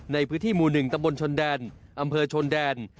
ในพื้นที่หมู่๑ตำบลชนแดนอำเภอชนแดน